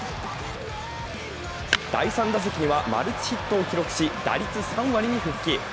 第３打席にはマルチヒットを記録し打率３割に復帰。